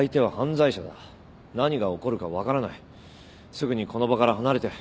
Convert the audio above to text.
すぐにこの場から離れて。